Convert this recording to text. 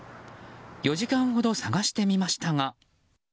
４時間ほど探してみましたが。